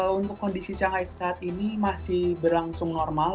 untuk kondisi shanghai saat ini masih berlangsung normal